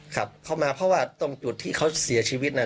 ขับเข้ามาเพราะว่าตรงจุดที่เขาเสียชีวิตน่ะ